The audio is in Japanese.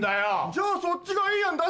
じゃあそっちがいい案出せば！